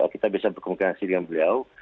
kita bisa berkomunikasi dengan beliau